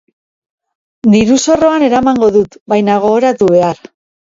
Diru-zorroan eramango dut baina gogoratu behar.